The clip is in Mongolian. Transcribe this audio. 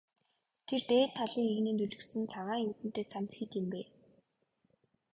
Тэр дээд талын эгнээнд өлгөсөн цагаан юүдэнтэй цамц хэд юм бэ?